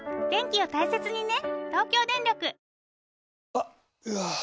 あっ、うわー。